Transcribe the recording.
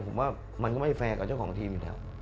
ผมว่ามันก็ไม่แฟร์กับเจ้าของทีมอยู่แล้ว